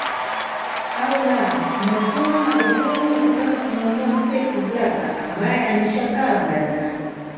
au la kumekuwa na uvumi wa kutaka kumwondoa seif blatta ambaye amesha kaa madarakani